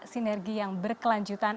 sinergi yang berkelanjutan dan